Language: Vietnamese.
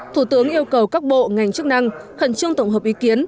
thủ tướng yêu cầu các bộ ngành chức năng khẩn trương tổng hợp ý kiến